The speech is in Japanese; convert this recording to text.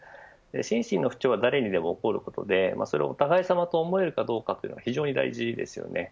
心身の負傷は誰にでも起こることでそれはお互い様と思えるかどうかというのは非常に大事ですよね。